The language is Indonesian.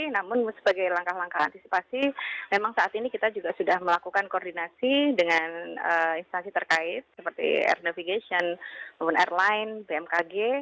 namun sebagai langkah langkah antisipasi memang saat ini kita juga sudah melakukan koordinasi dengan instansi terkait seperti air navigation maupun airline bmkg